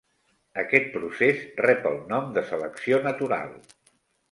Aquest procés rep el nom de selecció natural.